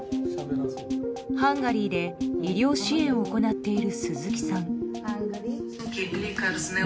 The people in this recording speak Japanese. ハンガリーで医療支援を行っている鈴記さん。